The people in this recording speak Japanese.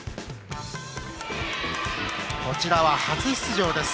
こちらは、初出場です。